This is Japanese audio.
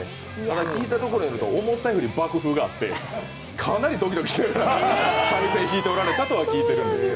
聞いたところによると思ったより爆風があってかなりドキドキしながら三味線弾いておられたということです。